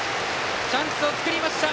チャンスを作りました。